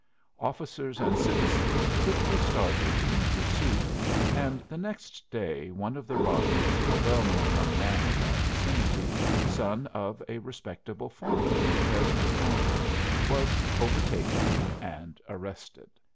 Officers and citizens quickly started in pursuit, and the next day one of the robbers, a well known young man of that vicinity, son of a respectable farmer in Fresno County, was overtaken and arrested."